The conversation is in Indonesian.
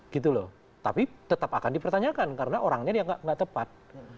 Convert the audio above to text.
gitu loh tapi tetap akan dipertanyakan karena orangnya dianggap nggak tepat